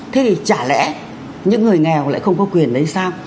thế thì chả lẽ những người nghèo lại không có quyền đấy sao